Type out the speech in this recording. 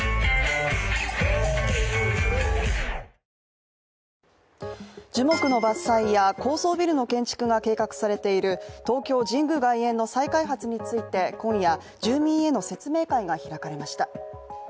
ぷはーっ樹木の伐採や高層ビルの建築が計画されている東京・神宮外苑の再開発について今夜、住民への説明会が開かれました。